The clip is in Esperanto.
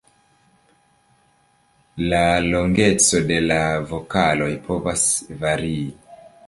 La longeco de la vokaloj povas varii.